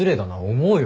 思うよ。